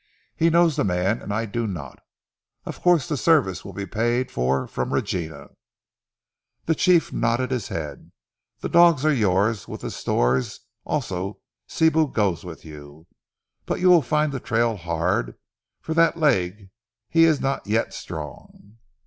He knows the man and I do not. Of course the service will be paid for from Regina." The chief nodded his head. "Ze dogs are yours, with the stores, also Sibou goes with you. But you will find ze trail hard, for dat leg he is not yet strong."